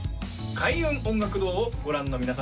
開運音楽堂をご覧の皆様